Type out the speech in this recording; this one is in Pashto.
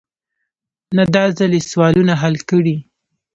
نه داځل يې سوالونه حل کړي.